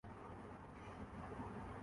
گاڑی اہستہ چلائیں شنیرا اکرم کی نئی مہم